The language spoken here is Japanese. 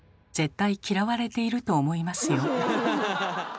絶対嫌われていると思いますよ。